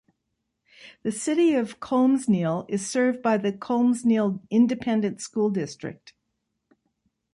The City of Colmesneil is served by the Colmesneil Independent School District.